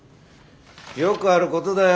よくあることだよ。